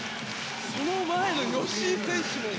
その前の吉井選手